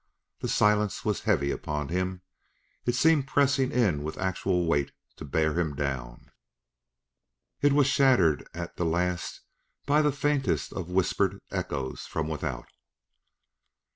The silence was heavy upon him; it seemed pressing in with actual weight to bear him down. It was shattered at the last by the faintest of whispered echoes from without.